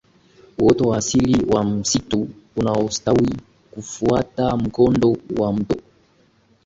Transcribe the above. uoto wa asili wa msitu unaostawi kufuata mkondo wa mto